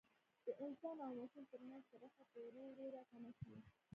د انسان او ماشین ترمنځ کرښه به ورو ورو را کمه شي.